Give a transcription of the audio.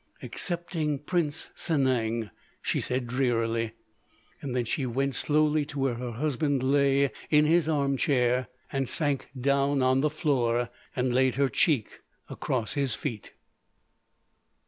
"Excepting Prince Sanang," she said drearily. Then she went slowly to where her husband lay in his armchair, and sank down on the floor, and laid her cheek across his feet.